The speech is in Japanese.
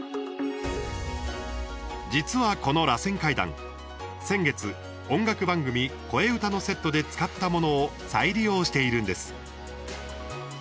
実は、このらせん階段先月、音楽番組「こえうた」のセットで使ったものを再利用しているんです。